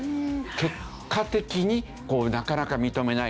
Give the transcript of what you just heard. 結果的になかなか認めない。